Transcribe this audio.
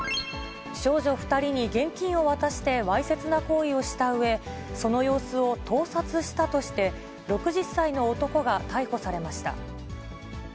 少女２人に現金を渡してわいせつな行為をしたうえ、その様子を盗撮したとして、６０歳の男が逮捕されました。